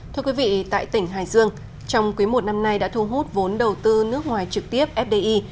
thưa quý vị tại tỉnh hải dương trong quý một năm nay đã thu hút vốn đầu tư nước ngoài trực tiếp fdi